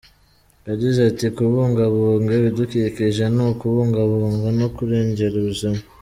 Yagize ati,"Kubungabunga ibidukikije ni ukubungabunga no kurengera ubuzima.